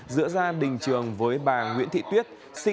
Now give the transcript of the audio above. giữa gia đình trường với bà nguyễn thị tuyết